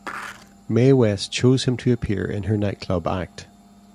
Mae West chose him to appear in her nightclub act.